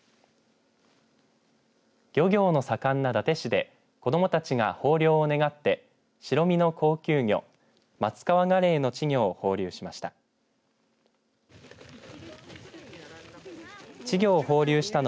漁業の盛んな伊達市で子どもたちが豊漁を願って白身の高級魚マツカワガレイの稚魚を放流しました。